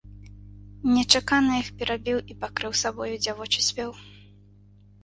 Нечакана іх перабіў і пакрыў сабою дзявочы спеў.